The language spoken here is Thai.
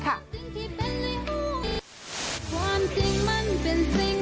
ถ้าใครบอกได้อย่างนี้เลยก็พร้อมมีตาก็เลยมาเห็นไม่เห็น